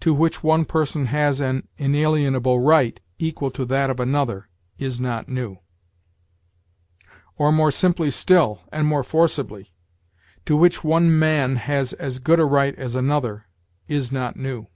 to which one person has an inalienable right equal to that of another, is not new." Or, more simply still, and more forcibly: "... to which one man has as good a right as another, is not new."